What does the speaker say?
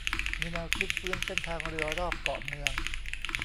มีแนวคิดฟื้นเส้นทางเรือรอบเกาะเมือง